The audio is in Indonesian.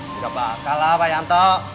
nggak bakal lah pak rt